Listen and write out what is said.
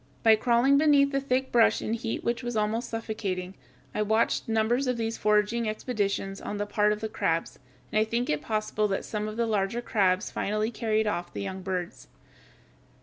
By crawling beneath the thick brush in heat which was almost suffocating, I watched numbers of these foraging expeditions on the part of the crabs, and I think it possible that some of the larger crabs finally carried off the young birds.